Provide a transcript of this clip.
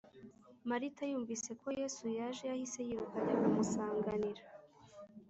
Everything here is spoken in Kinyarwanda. Marita yumvise ko yesu yaje yahise yiruka ajya kumusanganira